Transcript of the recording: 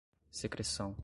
secreção